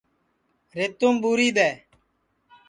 ریتُوم ٻوری دؔے